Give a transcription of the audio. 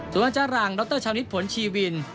สุดนัดจารางดรชาวนิดผลชีวิน